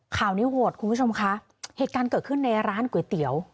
ข่าวนี้โหดคุณผู้ชมคะเหตุการณ์เกิดขึ้นในร้านก๋วยเตี๋ยว